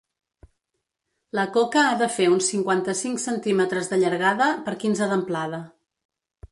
La coca ha de fer uns cinquanta-cinc centímetres de llargada per quinze d’amplada.